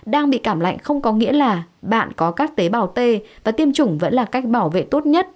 đang bị cảm lạnh không có nghĩa là bạn có các tế bào t và tiêm chủng vẫn là cách bảo vệ tốt nhất